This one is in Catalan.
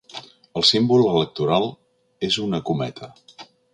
El símbol electoral és una cometa.